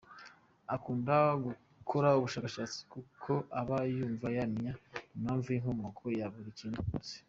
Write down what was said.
Akunda gukora ubushakashatsi kuko aba yumva yamenya impamvu n’inkomoko ya buri kintu cyose .